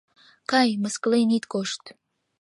Кай, мыскылен ит кошт!